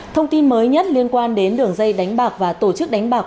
thông tin mới nhất liên quan đến đường dây đánh bạc và tổ chức đánh bạc